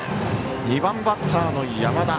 ２番バッターの山田。